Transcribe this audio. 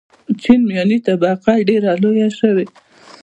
چین میاني طبقه ډېره لویه شوې.